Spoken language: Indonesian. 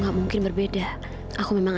gak mungkin berbeda aku memang